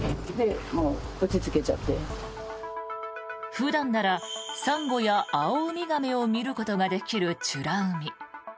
普段ならサンゴやアオウミガメを見ることができる美ら海。